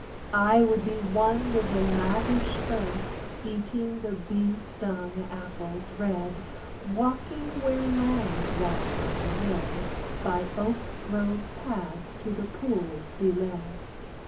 I would be one with the lavish earth, Eating the bee stung apples red: Walking where lambs walk on the hills; By oak grove paths to the pools be led.